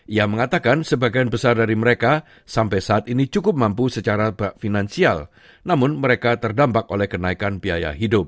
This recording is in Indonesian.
ia mengatakan sebagian besar dari mereka sampai saat ini cukup mampu secara finansial namun mereka terdampak oleh kenaikan biaya hidup